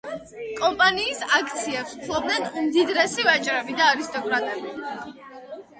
კომპანიის აქციებს ფლობდნენ უმდიდრესი ვაჭრები და არისტოკრატები.